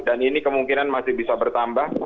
dan ini kemungkinan masih bisa bertambah